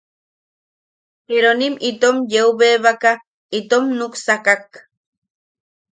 Peronim itom yeu bebaka itom nuksakak.